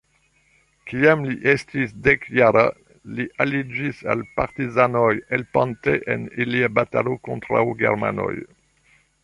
Kiam li estis dekjara, li aliĝis al partizanoj helpante en ilia batalo kontraŭ germanoj.